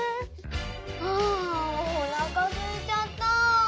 ああおなかすいちゃった！